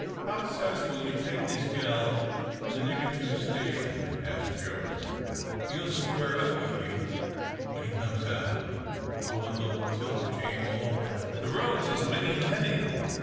"Pop says will you take this gal to Nicatoos station?" asked Joe. "He'll square up with you when he comes out." The woman looked 'Tilda Jane all over. "The roads is main heavy."